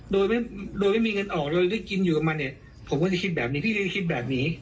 โดยไม่มีเงินออกโดยได้กินอยู่กับมันเนี่ยผมก็จะคิดแบบนี้พี่ก็จะคิดแบบนี้